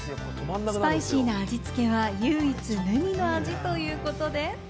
スパイシーな味付けは唯一無二の味ということで。